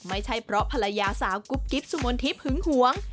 ไม่ใช่เพราะภรรยาสาวกุ๊บกิ๊บสุมนทิพย์หึงหวง